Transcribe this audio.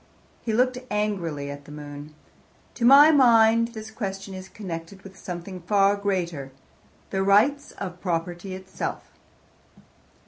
He looked angrily at the moon. "To my mind this question is connected with something far greater, the rights of property itself."